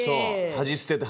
恥捨てて。